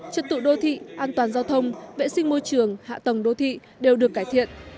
trật tự đô thị an toàn giao thông vệ sinh môi trường hạ tầng đô thị đều được cải thiện